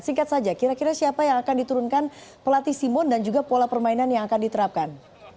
singkat saja kira kira siapa yang akan diturunkan pelatih simon dan juga pola permainan yang akan diterapkan